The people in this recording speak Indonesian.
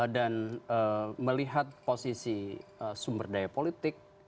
dan melihat posisi sumber daya politik